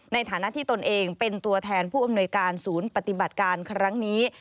ในฐานะที่ตนเองเป็นตัวแทนผู้อำนวยการศูนย์ปฏิบัติการครั้งนี้